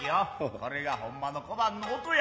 これがほんまの小判の音や。